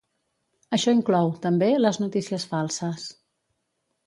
Això inclou, també, les notícies falses.